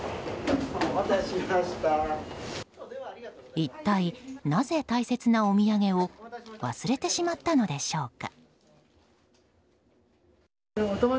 一体なぜ、大切なお土産を忘れてしまったのでしょうか。